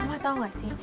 kamu lah tau gak si